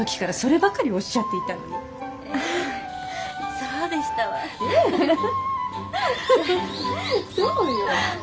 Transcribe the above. そうよ。